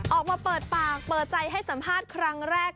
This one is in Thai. ออกมาเปิดปากเปิดใจให้สัมภาษณ์ครั้งแรก